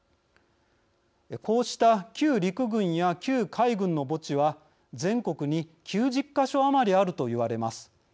こうした旧陸軍や旧海軍の墓地は全国に９０か所余りあるといわれます。